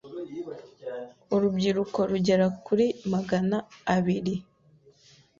Urubyiruko rugera kuri Magana abiri